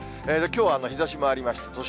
きょうは日ざしもありました。